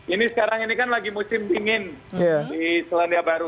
ini sekarang ini kan lagi musim dingin di selandia baru